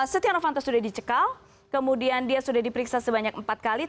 setia novanto sudah dicekal kemudian dia sudah diperiksa sebanyak empat kali